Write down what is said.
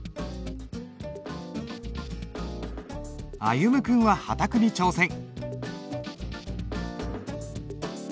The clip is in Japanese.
歩夢君は波磔に挑戦。